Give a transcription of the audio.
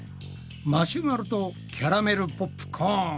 マシュマロとキャラメルポップコーン